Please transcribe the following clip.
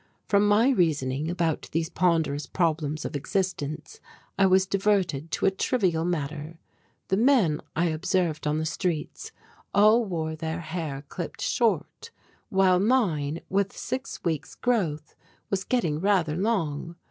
From my reasoning about these ponderous problems of existence I was diverted to a trivial matter. The men I observed on the streets all wore their hair clipped short, while mine, with six weeks' growth, was getting rather long.